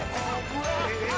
えっ！